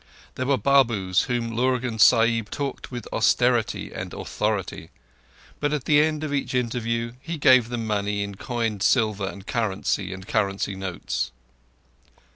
There were Babus to whom Lurgan Sahib talked with austerity and authority, but at the end of each interview he gave them money in coined silver and currency notes.